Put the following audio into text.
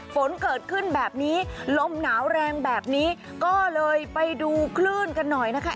ฝนเกิดขึ้นแบบนี้ลมหนาวแรงแบบนี้ก็เลยไปดูคลื่นกันหน่อยนะคะ